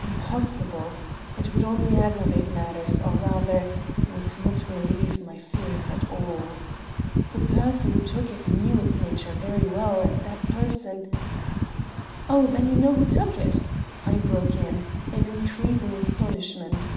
"Impossible! It would only aggravate matters, or rather, would not relieve my fears at all. The person who took it knew its nature very well, and that person " "Oh, then you know who took it!" I broke in, in increasing astonishment.